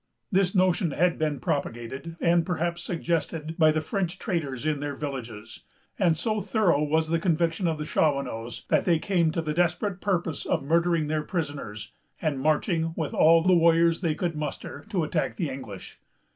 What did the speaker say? This notion had been propagated, and perhaps suggested, by the French traders in their villages; and so thorough was the conviction of the Shawanoes, that they came to the desperate purpose of murdering their prisoners, and marching, with all the warriors they could muster, to attack the English.